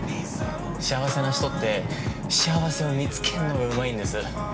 幸せな人って幸せを見つけるのがうまいんです。